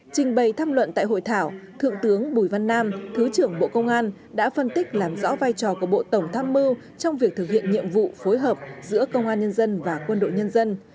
trình bày tham luận tại hội thảo thượng tướng bùi văn nam thứ trưởng bộ công an đã phân tích làm rõ vai trò của bộ tổng tham mưu trong việc thực hiện nhiệm vụ phối hợp giữa công an nhân dân và quân đội nhân dân